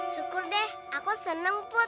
syukur deh aku seneng food